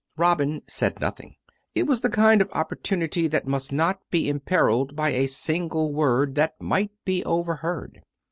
Robin said nothing. It was the kind of opportunity that must not be imperilled by a single word that might be overheard.